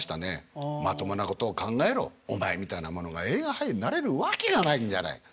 「まともなことを考えろお前みたいな者が映画俳優になれるわけがないじゃない。